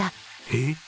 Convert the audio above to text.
えっ？